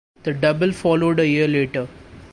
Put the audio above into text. The double followed a year later.